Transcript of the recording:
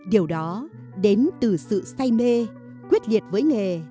điều đó đến từ sự say mê quyết liệt với nghề